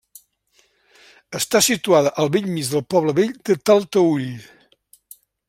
Està situada al bell mig del poble vell de Talteüll.